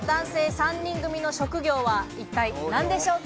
３人組の職業は一体何でしょうか？